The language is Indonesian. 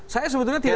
saya sebetulnya tidak